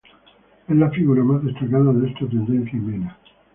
Es la figura más destacada de esta tendencia en Viena.